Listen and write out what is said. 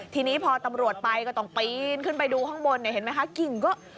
ทีนี้พอตำรวจไปก็ต้องปีนขึ้นไปดูข้างบนเนี่ยเห็นไหมคะกิ่งก็